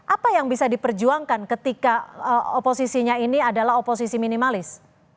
apa yang bisa diperjuangkan ketika oposisinya ini adalah oposisi minimalis